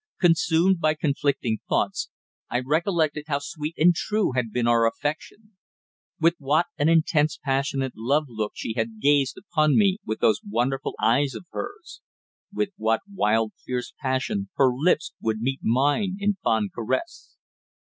Consumed by conflicting thoughts, I recollected how sweet and true had been our affection; with what an intense passionate love look she had gazed upon me with those wonderful eyes of hers; with what wild fierce passion her lips would meet mine in fond caress.